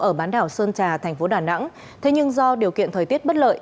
ở bán đảo sơn trà tp đà nẵng thế nhưng do điều kiện thời tiết bất lợi